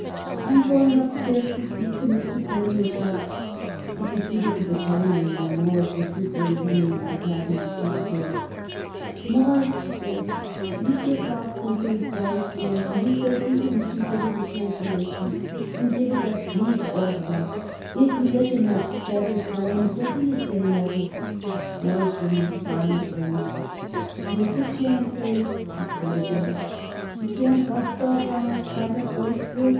I'm going upstairs to speak to Mr. Perlmutter." He proceeded to the cutting room, where Morris was superintending the unpacking of piece goods. "Mawruss," he said, "M. Garfunkel is downstairs, and he says he will reconsider the cancelation and give it us a big order if we let him have better terms. What d'ye say, Mawruss?" Morris remained silent for a minute. "Take a chance, Abe," he said at length. "He can't bust up on us by the first bill.